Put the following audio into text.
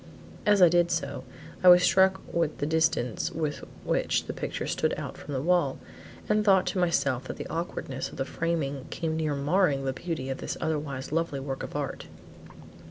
As I did so, I was struck with the distance with which the picture stood out from the wall, and thought to myself that the awkwardness of the framing came near marring the beauty of this otherwise lovely work of art.